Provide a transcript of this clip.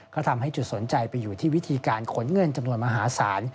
ก็ทำให้จุดสนใจไปอยู่ที่วิธีการขนเงินจำนวนมหาศาล